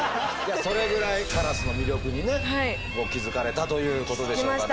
それぐらいカラスの魅力にね気付かれたということでしょうかね。